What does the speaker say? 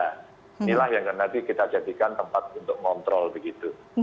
nah inilah yang nanti kita jadikan tempat untuk ngontrol begitu